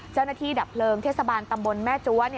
เจ้าหน้าที่ดับเพลิงเทศบาลตำบลแม่จั๊วร์